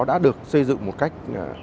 đã được xây dựng một cách